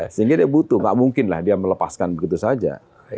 sehingga dia butuh nggak mungkin lah dia melepaskan begitu saja